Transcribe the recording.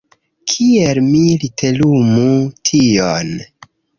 Kiel mi literumu tion?